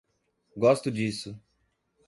Gosto disso